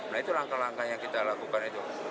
nah itu langkah langkah yang kita lakukan itu